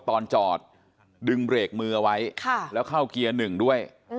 ตอนจอดดึงเบรกมือเอาไว้แล้วเข้าเกียร์หนึ่งด้วย